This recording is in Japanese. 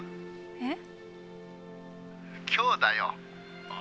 えっ？